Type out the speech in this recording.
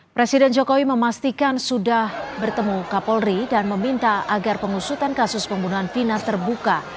presiden jokowi memastikan sudah bertemu kapolri dan meminta agar pengusutan kasus pembunuhan finas terbuka